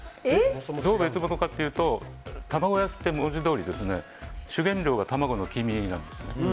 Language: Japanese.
どう別物かというと玉子焼きって文字どおり主原料が卵の黄身なんです。